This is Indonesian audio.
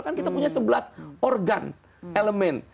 kan kita punya sebelas organ elemen